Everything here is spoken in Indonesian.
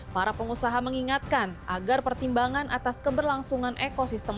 para pengusaha mengingatkan agar pertimbangan atas keberlangsungan ekosistem